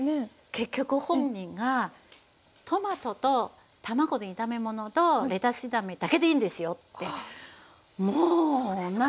結局本人がトマトと卵の炒め物とレタス炒めだけでいいんですよって。